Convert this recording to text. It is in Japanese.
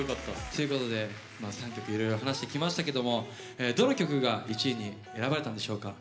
ということで３曲いろいろ話してきましたけども、どの曲が１位に選ばれたんでしょうか。